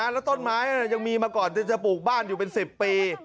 แล้วต้นไม้ยังมีมาก่อนที่จะปลูกบ้านอยู่เป็น๑๐ปี